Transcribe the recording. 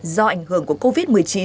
do ảnh hưởng của covid một mươi chín